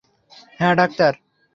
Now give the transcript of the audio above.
হ্যাঁ, ডাক্তার।